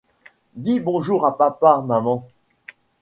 Dis bonjour à papa maman.